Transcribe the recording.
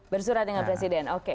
bersurat dengan presiden oke